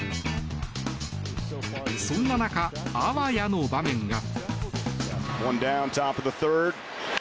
そんな中、あわやの場面が。